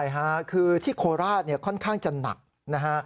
ใช่ค่ะคือที่โคราชเนี่ยค่อนข้างจะหนักนะฮะ